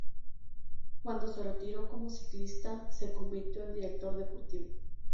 Cuando se retiró como ciclista se convirtió en director deportivo.